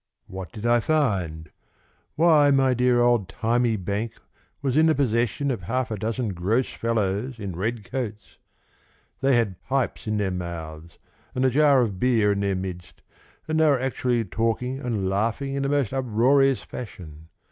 What did I find? Why, my dear old thymy bank Was in the possession Of half a dozen gross fellows in red coats, Thy had pipes in their mouths, And a jar of beer in their midst, And they were actually talking and laughing In the most uproarious fashion.